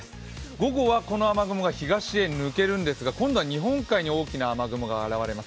午後はこの雨雲が東へ抜けるんですが、今度は日本海に大きな雨雲が現れます。